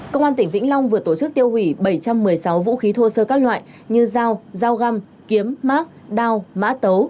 công an tỉnh vĩnh long vừa tổ chức tiêu hủy bảy trăm một mươi sáu vũ khí thô sơ các loại như dao dao găm kiếm mát đao mã tấu